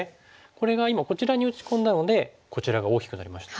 これが今こちらに打ち込んだのでこちらが大きくなりました。